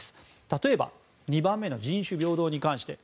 例えば２番目の人種平等に関して。